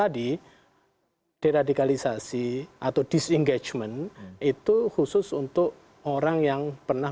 yang dikatakan oleh bung tova tadi diradikalisasi atau disengajemen itu khusus untuk orang yang pernah